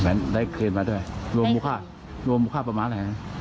แหวนได้คืนมาด้วยได้คืนรวมบุคค่ารวมบุคค่าประมาณอะไรนะ